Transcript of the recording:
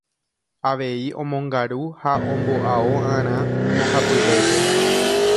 Avei omongaru ha omboao'arã mbohapyvépe.